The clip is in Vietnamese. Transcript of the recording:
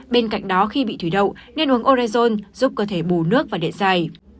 bên cạnh đó khi bị thủy đậu nên uống orezone giúp cơ thể bù nước và đệ dày